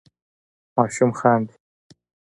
ماشوم خاندي.